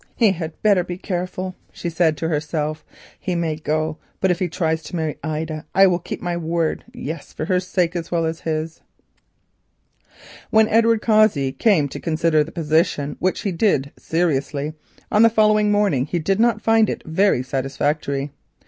"He had better be careful," she said to herself; "he may go, but if he tries to marry Ida I will keep my word—yes, for her sake as well as his." When Edward Cossey came to consider the position, which he did seriously, on the following morning, he did not find it very satisfactory.